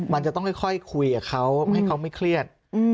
มันจะต้องค่อยคุยกับเขาให้เขาไม่เครียด